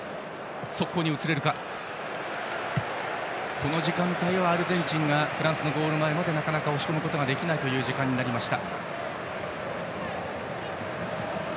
この時間帯はアルゼンチンがフランスのゴール前までなかなか押し込めないという時間になりました。